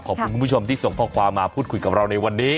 คุณผู้ชมที่ส่งข้อความมาพูดคุยกับเราในวันนี้